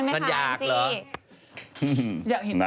มันยากแล้ว